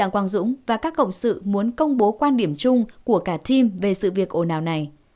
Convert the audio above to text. quang dũng và các cộng sự muốn công bố quan điểm chung của cả team về sự việc ồ nào này